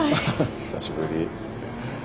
久しぶり。